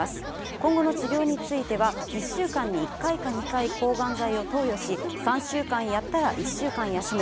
今後の治療については、１週間に１回か２回、抗がん剤を投与し、３週間やったら１週間休む。